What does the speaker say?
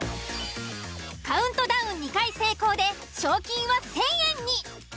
カウントダウン２回成功で賞金は１，０００円に。